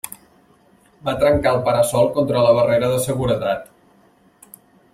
Va trencar el para-sol contra la barrera de seguretat.